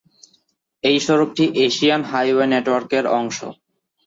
এই সড়কটি Asian highway নেটওয়ার্কের অংশ।